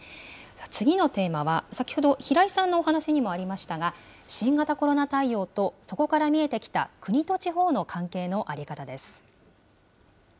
次のテーマは、先ほど平井さんのお話にもありましたが、新型コロナ対応と、そこから見えてきた国と地方の関係の在り方です。